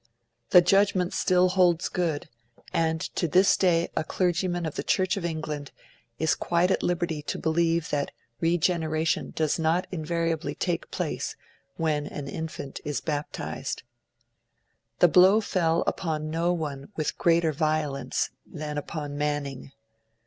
The judgement still holds good; and to this day, a clergyman of the Church of England is quite at liberty to believe that Regeneration does not invariably take place when an infant is baptised. The blow fell upon no one with greater violence than upon Manning.